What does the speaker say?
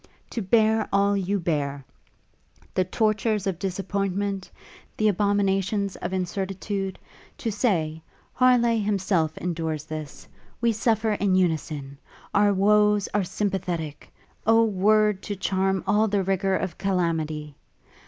to bear all you bear, the tortures of disappointment, the abominations of incertitude; to say, Harleigh himself endures this! we suffer in unison! our woes are sympathetic! O word to charm all the rigour of calamity!....